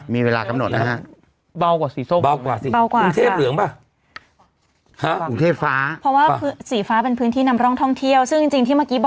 มีเวลากำหนดนะครับ